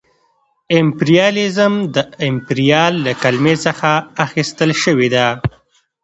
امپریالیزم د امپریال له کلمې څخه اخیستل شوې ده